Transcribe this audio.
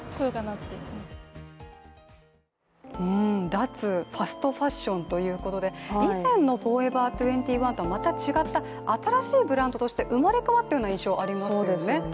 脱ファストファッションということで、以前のＦＯＲＥＶＥＲ２１とはまた違った新しいブランドとして生まれ変わったような印象がありますよね。